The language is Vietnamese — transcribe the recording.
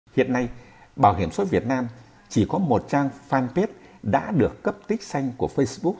hiện nay bảo hiểm sội việt nam chỉ có một trang fanpage đã được cấp tích xanh của facebook